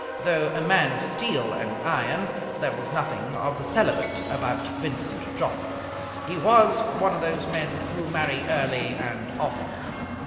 Though a man of steel and iron, there was nothing of the celibate about Vincent Jopp. He was one of those men who marry early and often.